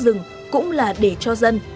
giữ rừng cũng là để cho dân